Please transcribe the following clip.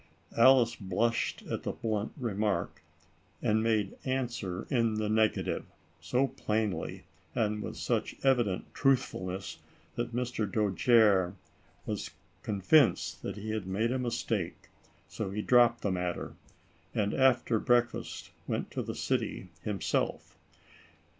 " Alice blushed at the blunt remark, and made answer in the negative, so plainly, and with such evident truthfulness, that Mr. Dojere was con vinced that he had made a mistake, so he dropped the matter, and, after breakfast, went to the city himself.